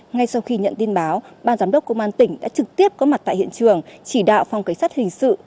ngay sau khi nhận tin báo ban giám đốc công an tỉnh đã trực tiếp có mặt tại hiện trường chỉ đạo phòng cảnh sát hình sự